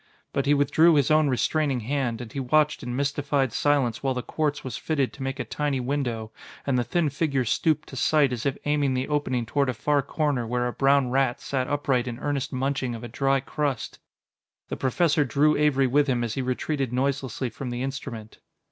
But he withdrew his own restraining hand, and he watched in mystified silence while the quartz was fitted to make a tiny window and the thin figure stooped to sight as if aiming the opening toward a far corner where a brown rat sat upright in earnest munching of a dry crust. The Professor drew Avery with him as he retreated noiselessly from the instrument.